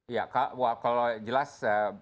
ya kak kalau jelas